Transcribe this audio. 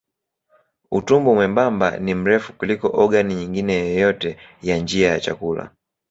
Utumbo mwembamba ni mrefu kuliko ogani nyingine yoyote ya njia ya chakula.